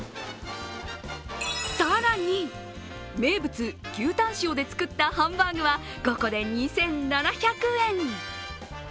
更に、名物・牛タン塩で作ったハンバーグは５個で２７００円。